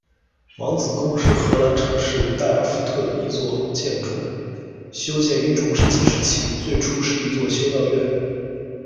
王子宫是荷兰城市代尔夫特的一座建筑，修建于中世纪时期，最初是一座修道院。